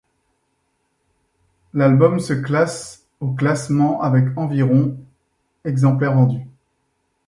L'album se classe au classement avec environ exemplaires vendu.